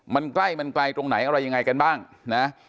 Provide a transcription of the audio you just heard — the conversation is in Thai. มันใกล้มันไกลตรงไหนอะไรยังไงกันบ้างนะ